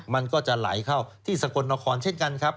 มันก็จะไหลเข้าที่สกลนครเช่นกันครับ